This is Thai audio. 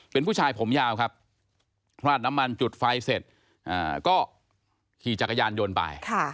เป็นผู้ชายผมยาวครับคราดน้ำมันจุดไฟเสร็จก็ขี่จักรยานยนต์ไป